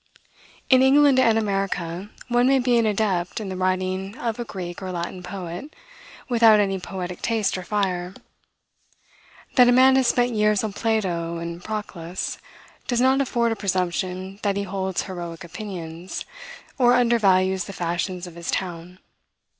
In England and America, one may be an adept in the writing of a Greek or Latin poet, without any poetic taste or fire. That a man has spent years on Plato and Proclus, does not afford a presumption that he holds heroic opinions, or undervalues the fashions of his town.